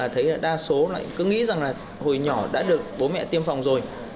thấy đa số lại cứ nghĩ rằng là hồi nhỏ đã được bố mẹ tiêm phòng rồi